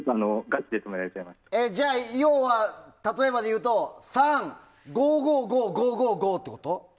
じゃあ、例えばでいうと３５５５−５５５５ってこと？